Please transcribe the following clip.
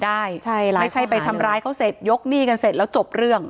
ใช่ร้ายเขาหาหนึ่งไม่ใช่ไปทำร้ายเขาเสร็จยกหนี้กันเสร็จแล้วจบเรื่อง